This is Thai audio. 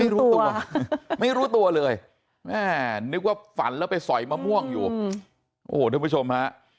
รู้ตัวไม่รู้ตัวเลยแม่นึกว่าฝันแล้วไปสอยมะม่วงอยู่โอ้โหท่านผู้ชมฮะ